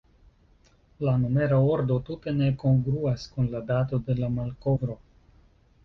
La numera ordo tute ne kongruas kun la dato de la malkovro.